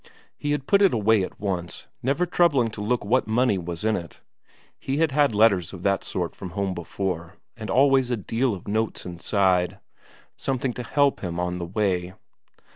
He had put it away at once, never troubling to look what money was in it; he had had letters of that sort from home before, and always a deal of notes inside something to help him on the way.